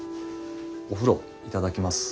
お風呂頂きます。